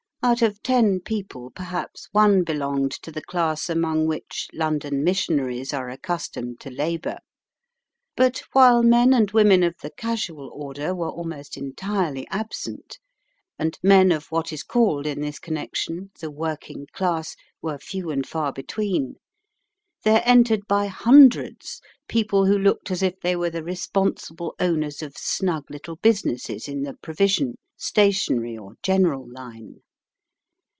Out of ten people perhaps one belonged to the class among which London missionaries are accustomed to labour. But while men and women of the "casual" order were almost entirely absent, and men of what is called in this connection "the working class" were few and far between, there entered by hundreds people who looked as if they were the responsible owners of snug little businesses in the provision, stationery, or "general" line.